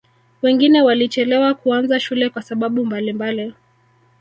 wengine walichelewa kuanza shule kwa sababu mbalimbali